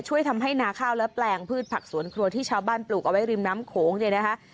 ช่วยทำให้นาข้าวและแปลงพืชผักสวนครัวที่ชาวบ้านปลูกเอาไว้ริมน้ำโขงเนี่ยนะคะ